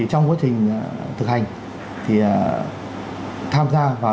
trong quá trình thực hành thì tham gia vào